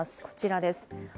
こちらです。